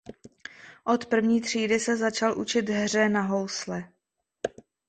Od první třídy se začal učit hře na housle.